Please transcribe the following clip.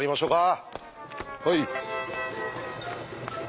はい。